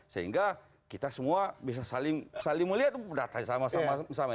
sehingga kita semua bisa saling melihat datanya sama sama